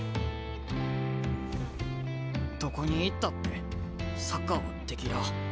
どこに行ったってサッカーはできらあ。